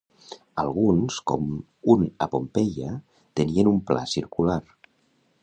Alguns, com un a Pompeia, tenien un pla circular.